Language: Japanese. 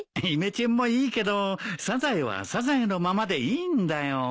イメチェンもいいけどサザエはサザエのままでいいんだよ。